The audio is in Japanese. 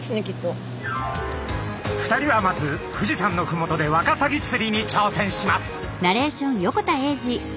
２人はまず富士山のふもとでワカサギ釣りに挑戦します。